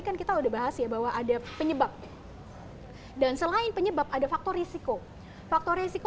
kan kheto thejek itu bahas ya bahwa ada penyebab dan selain penyebab ada faktor risiko faktor risiko